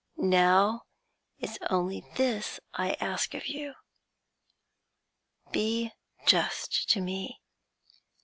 Now it's only this I ask of you be just to me.